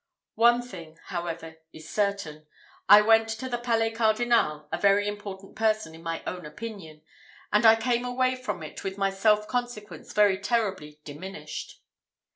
One thing, however, is certain; I went to the Palais Cardinal a very important person in my own opinion, and I came away from it with my self consequence very terribly diminished.